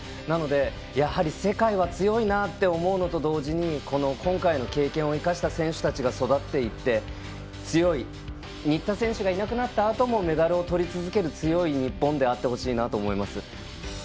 なので、世界は強いなと思うのと同時に今回の経験を生かした選手たちが育っていって新田選手がいなくなったあともメダルをとり続ける強い日本であってほしいなと思います。